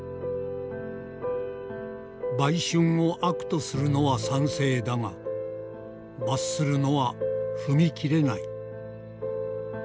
「売春を悪とするのは賛成だが罰するのは踏み切れない」。